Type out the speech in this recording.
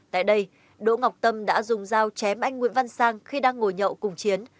tại đây đỗ ngọc tâm đã dùng dao chém anh nguyễn văn sang khi đang ngồi nhậu cùng chiến